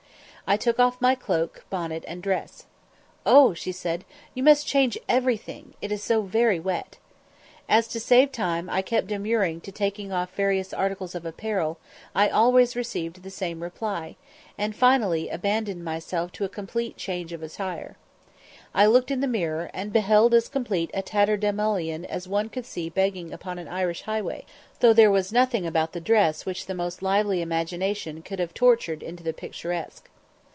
I took off my cloak, bonnet, and dress. "Oh," she said, "you must change everything, it's so very wet." As, to save time, I kept demurring to taking off various articles of apparel, I always received the same reply, and finally abandoned myself to a complete change of attire. I looked in the mirror, and beheld as complete a tatterdemallion as one could see begging upon an Irish highway, though there was nothing about the dress which the most lively imagination could have tortured into the picturesque.